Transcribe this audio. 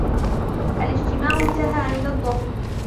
الاجتماع انتهى عند الظهر.